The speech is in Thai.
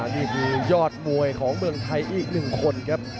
นี่คือยอดมวยของเมืองไทยอีกหนึ่งคนครับ